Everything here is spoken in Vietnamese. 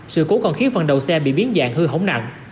sự cố còn khiến phần đầu xe bị biến dạng hư hỏng nặng